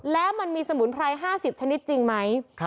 แล้วมันมีสมุนไพร๕๐ชนิดจริงไหม